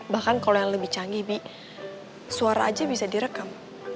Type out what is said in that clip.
bahkan kalau yang lebih canggih suara aja bisa direkam